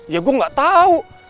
ya gua gak tau